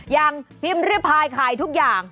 ยังพิมพ์เรียบภายขายทุกอย่าง